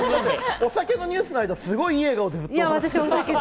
お酒のニュースの間、ずっといい笑顔だった。